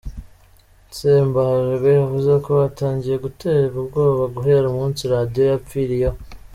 Ssembajwe yavuze ko batangiye guterwa ubwoba guhera umunsi Radio yapfiriyeho.